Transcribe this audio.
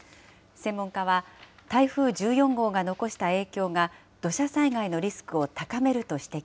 専門家は、台風１４号が残した影響が、土砂災害のリスクを高めると指摘。